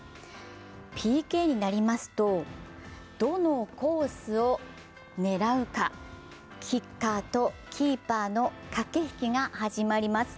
ＰＫになりますとどのコースを狙うか、キッカーとキーパーの駆け引きが始まります。